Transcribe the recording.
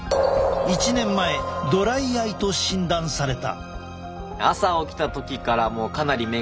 １年前ドライアイと診断された。